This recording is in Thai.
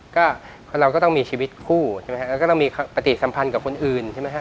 ก็คนเราก็ต้องมีชีวิตคู่ใช่ไหมครับแล้วก็ต้องมีประติศัมพันธ์กับคนอื่นใช่ไหมครับ